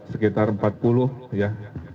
sekitar empat puluh ya